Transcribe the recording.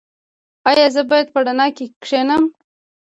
ایا زه باید په رڼا کې کینم؟